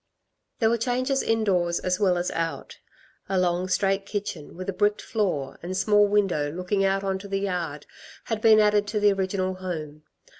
There were changes indoors as well as out. A long straight kitchen, with a bricked floor and small window looking out on to the yard, had been added to the original home.